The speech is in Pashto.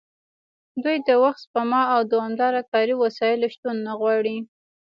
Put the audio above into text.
دوی د وخت سپما او دوامداره کاري وسایلو شتون نه غواړي